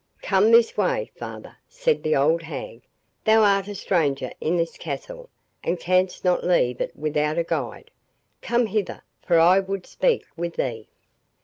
"Come this way, father," said the old hag, "thou art a stranger in this castle, and canst not leave it without a guide. Come hither, for I would speak with thee.